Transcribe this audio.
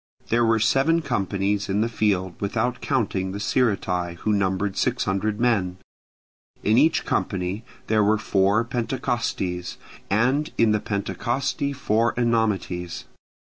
There were seven companies in the field without counting the Sciritae, who numbered six hundred men: in each company there were four Pentecostyes, and in the Pentecosty four Enomoties.